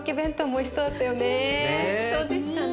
おいしそうでしたね。